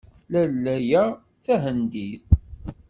Lalla-a d tahendit.